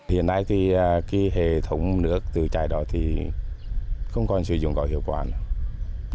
hiện nay thì cái hệ thống nước tự chảy đó thì không còn sử dụng có hiệu quả nữa